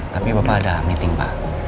tapi bapak ada meeting pak